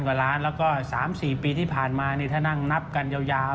กว่าล้านแล้วก็๓๔ปีที่ผ่านมานี่ถ้านั่งนับกันยาว